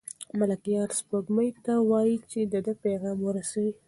ملکیار سپوږمۍ ته وايي چې د ده پیغام ورسوي.